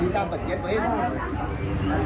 ใช่ค่ะ